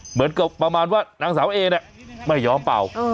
เหมือนกับประมาณว่านางสาวเอเนี่ยไม่ยอมเป่า